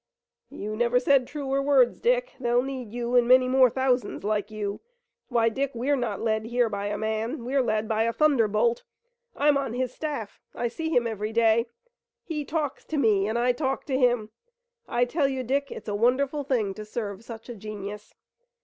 "You never said truer words, Dick. They'll need you and many more thousands like you. Why, Dick, we're not led here by a man, we're led by a thunderbolt. I'm on his staff, I see him every day. He talks to me, and I talk to him. I tell you, Dick, it's a wonderful thing to serve such a genius.